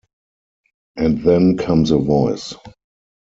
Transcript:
And then comes a voice.